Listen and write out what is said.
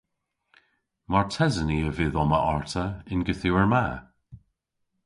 Martesen i a vydh omma arta y'n gorthugher ma.